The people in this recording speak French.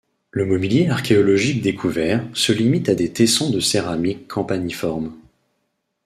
Le mobilier archéologique découvert se limite à des tessons de céramique campaniforme.